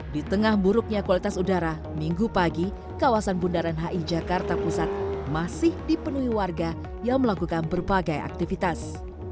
di tengah buruknya kualitas udara minggu pagi kawasan bundaran hi jakarta pusat masih dipenuhi warga yang melakukan berbagai aktivitas